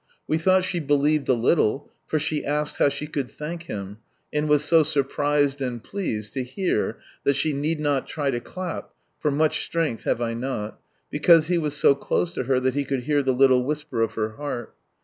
We thought she believed a little, for she asked how she could thank Him, and was so surprised and pleased to hear that she need not try to clap, (for " much strength have I not"), because He was so close to her that He could , hear the little whisper of her heart.